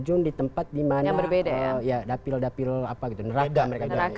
dia terjun di tempat dimana dapil dapil neraka